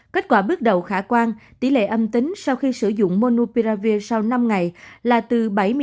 kết quả bước đầu khả quan tỷ lệ âm tính sau khi sử dụng monopiravir sau năm ngày là từ bảy mươi hai chín mươi ba